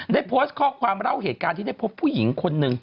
ได้โพสต์ข้อความเล่าเหตุการณ์ที่ได้พบผู้หญิงคนหนึ่ง